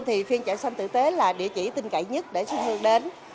thì phiên chợ xanh tử tế là địa chỉ tinh cậy nhất để sinh hương đến